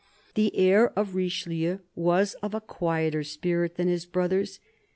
The heir of Richelieu was of a quieter spirit than his brothers.